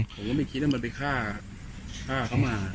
ผมก็ไม่คิดว่ามันไปฆ่าเขามา